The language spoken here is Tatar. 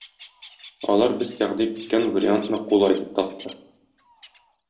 Алар без тәкъдим иткән вариантны кулай дип тапты.